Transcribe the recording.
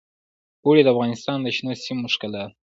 اوړي د افغانستان د شنو سیمو ښکلا ده.